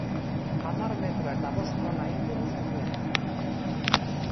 Hamar metro eta bost tona inguru zituen.